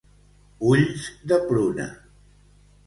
Ulls de pruna.